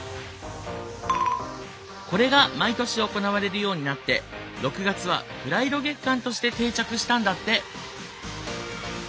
これが毎年行われるようになって６月はプライド月間として定着したんだって。